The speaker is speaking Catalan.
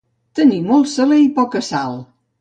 Tenir molt saler i poca sal.